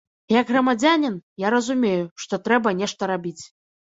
Як грамадзянін я разумею, што трэба нешта рабіць.